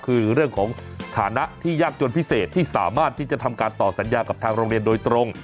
คือเรื่องของฐานะที่ยากจนพิเศษที่สามารถที่จะทำการต่อสัญญากับทางโรงเรียนโดยตรง